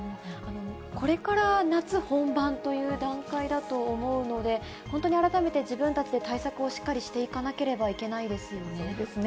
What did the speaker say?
これから夏本番という段階だと思うので、本当に改めて自分たちで対策をしっかりしていかなければいけないそうですね。